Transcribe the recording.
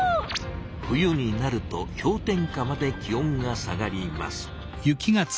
冬になると氷点下まで気温が下がります。